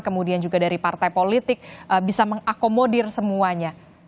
kemudian juga dari partai politik bisa mengakomodir semuanya